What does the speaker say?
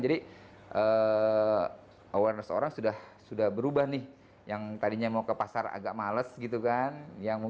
jadi awareness orang sudah berubah nih yang tadinya mau ke pasar agak males gitu kan